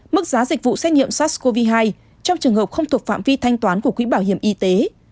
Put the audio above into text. mức giá dịch vụ xét nghiệm sars cov hai trong trường hợp không thuộc phạm vi thanh toán của quỹ bảo hiểm y tế